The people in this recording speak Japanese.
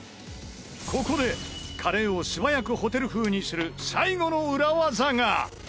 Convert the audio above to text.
ここでカレーを素早くホテル風にする最後の裏技が。